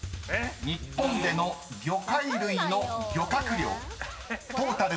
日本での魚介類の漁獲量トータル